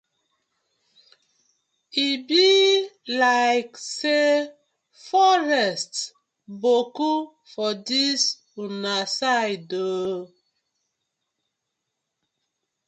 E bi layk say forest boku for dis una side oo?